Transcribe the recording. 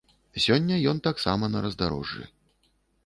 Сёння ён таксама на раздарожжы.